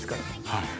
はい。